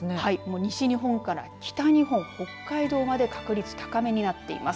西日本から北日本、北海道まで確率、高めになっています。